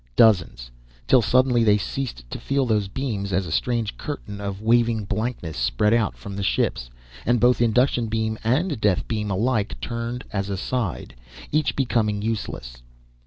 Dozens till suddenly they ceased to feel those beams, as a strange curtain of waving blankness spread out from the ships, and both induction beam and death beam alike turned as aside, each becoming useless.